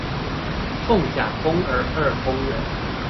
鳳甲公兒二公園